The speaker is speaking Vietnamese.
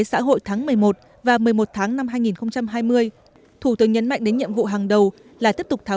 xã hội tháng một mươi một và một mươi một tháng năm hai nghìn hai mươi thủ tướng nhấn mạnh đến nhiệm vụ hàng đầu là tiếp tục tháo